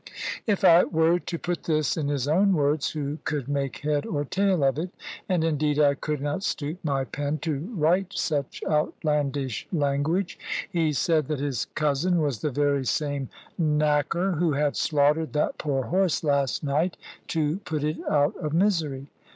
If I were to put this in his own words, who could make head or tail of it? And indeed I could not stoop my pen to write such outlandish language. He said that his cousin was the very same knacker who had slaughtered that poor horse last night, to put it out of misery.